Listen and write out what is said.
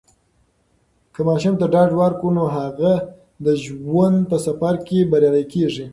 که ماشوم ته ډاډ ورکړو، نو هغه د ژوند په سفر کې بریالی کیږي.